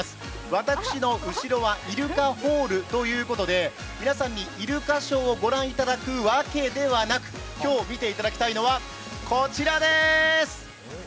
私の後ろはイルカホールということで、皆さんにイルカショーをご覧いただくわけではなく今日見ていただきたいのはこちらです！